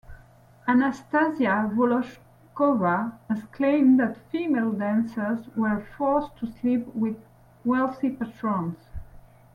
Anastasia Volochkova has claimed that female dancers were forced to sleep with wealthy patrons.